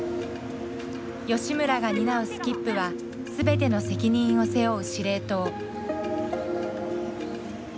吉村が担うスキップは全ての責任を背負う司令塔。